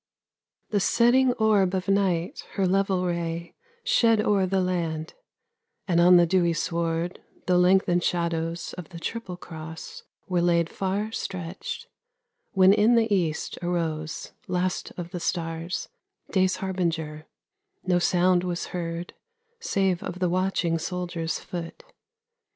The setting orb of night her level ray Shed o'er the land ; and on the dewy sward The lengthened shadows of the triple cross Were laid far stretched, — when in the east arose, Last of the stars, day's harbinger : no sound Was heard, save of the watching soldier's foot.